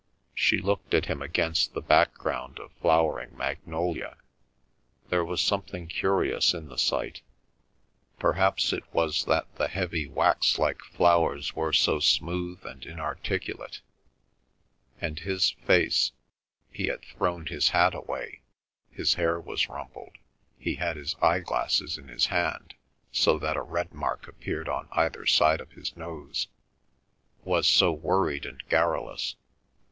She looked at him against the background of flowering magnolia. There was something curious in the sight. Perhaps it was that the heavy wax like flowers were so smooth and inarticulate, and his face—he had thrown his hat away, his hair was rumpled, he held his eye glasses in his hand, so that a red mark appeared on either side of his nose—was so worried and garrulous.